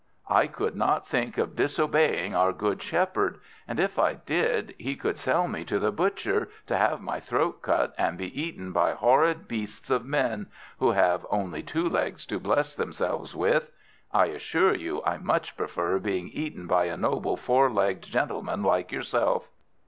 I could not think of disobeying our good Shepherd. And, if I did, he could sell me to the butcher, to have my throat cut, and be eaten by horrid beasts of men, who have only two legs to bless themselves with. I assure you, I much prefer being eaten by a noble four legged gentleman like yourself."